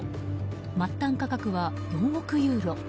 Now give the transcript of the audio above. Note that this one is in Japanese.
末端価格は４億ユーロ。